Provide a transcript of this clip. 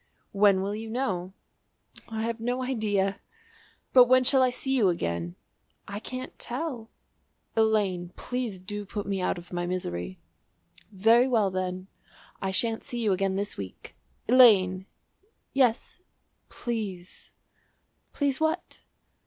"When will you know?" "I have no idea!" "But when shall I see you again?" "I can't tell." "Elaine, please do put me out of my misery." "Very well then I shan't see you again this week." "Elaine!" "Yes." "Please." "Please what?"